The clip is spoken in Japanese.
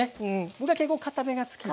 僕は結構かためが好きで。